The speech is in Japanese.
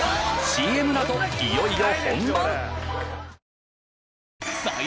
ＣＭのあといよいよ本番！